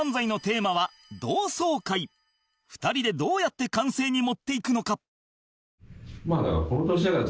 ２人でどうやって完成に持っていくのか？